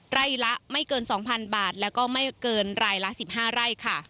รายละไม่เกิน๒๐๐๐บาทและไม่เกินรายละ๑๕ไร่